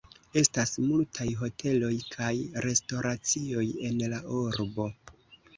Estas multaj hoteloj kaj restoracioj en la urbo.